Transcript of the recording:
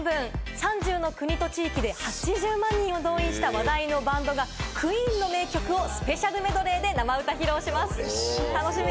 ３０の国と地域で８０万人を動員した話題のバンドが、ＱＵＥＥＮの名曲をスペシャルメドレーで生歌披露します。